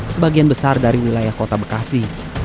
sebagian besar dari wilayah kota bekasi